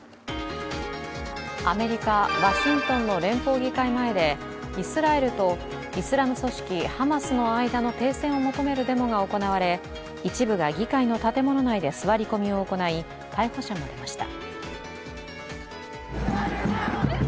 アメリカ・ワシントンの連邦議会前でイスラエルとイスラム組織ハマスの間の停戦を求めるデモが行われ一部が議会の建物内で座り込みを行い逮捕者も出ました。